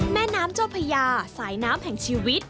แม่น้ำเจ้าพญาสายน้ำแห่งชีวิต